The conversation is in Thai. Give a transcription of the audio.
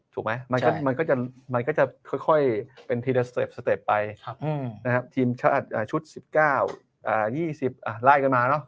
ถูกไหมมันก็จะค่อยเป็นทีละสเต็ปสเต็ปไปนะครับทีมชาติชุด๑๙๒๐ไล่กันมาเนอะ